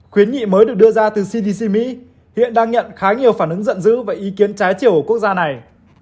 khuyến nghị mới được đưa ra từ cdc mỹ hiện đang nhận khá nhiều phản ứng giận dữ và ý kiến trái chiều của quốc gia này